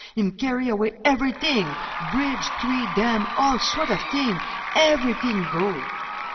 Him carry away everything, bridge, tree, dam all sort of thing everything go."